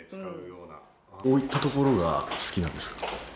どういったところが好きなんですか？